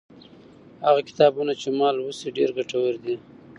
هغه کتابونه چې ما لوستي، ډېر ګټور دي.